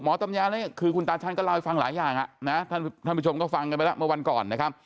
ตำยานี่คือคุณตาชันก็เล่าให้ฟังหลายอย่างนะท่านผู้ชมก็ฟังกันไปแล้วเมื่อวันก่อนนะครับ